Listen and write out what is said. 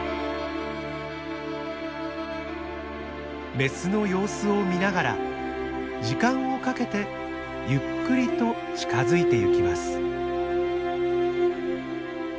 メスの様子を見ながら時間をかけてゆっくりと近づいてゆきます。